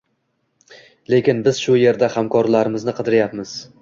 Lekin biz shu yerda hamkorlarni qidiryapmiz.